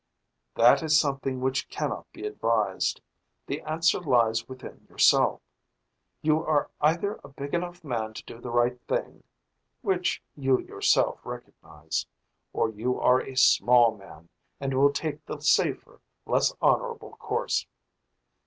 "That is something which cannot be advised. The answer lies within yourself. You are either a big enough man to do the right thing which you yourself recognize or you are a small man and will take the safer, less honorable course.